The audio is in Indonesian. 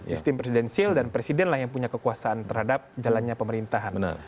sistem presidensial dan presiden lah yang punya kekuasaan terhadap jalannya pemerintahan